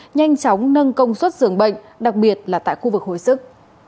nhanh chóng nâng công suất dường bệnh đặc biệt là tại khu vực hồi sức